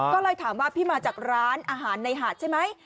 ก็เลยถามว่าพี่มาจากร้านอาหารในหาดใช่ไหม